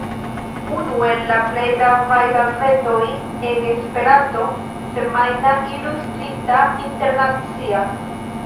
Unu el la plej gravaj gazetoj en Esperanto, semajna, ilustrita, internacia.